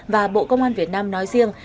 và bộ công an việt nam nói riêng